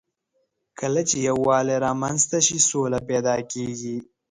کله چې یووالی رامنځ ته شي، سوله پيدا کېږي.